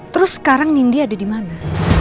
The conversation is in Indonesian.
terus sekarang nindi ada di mana